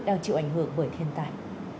đang chịu ảnh hưởng bởi thiên tài